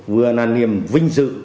vừa là niềm vinh dự